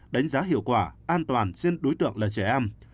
đánh giá hiệu quả an toàn riêng đối tượng là trẻ em